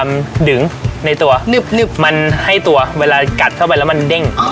มันดึงในตัวนึบมันให้ตัวเวลากัดเข้าไปแล้วมันเด้ง